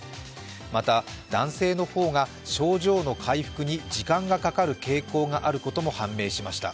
また、男性の方が症状の回復に時間がかかる傾向があることも判明しました。